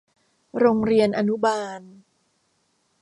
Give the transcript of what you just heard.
โรงเรียนอนุบาล